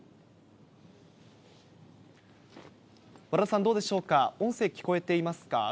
和田さん、どうでしょうか、音声聞こえていますか？